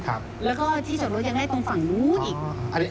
แล้วก็ที่จอดรถยังได้ตรงฝั่งนู้นอีก